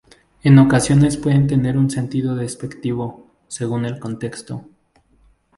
En ocasiones pueden tener un sentido despectivo, según el contexto.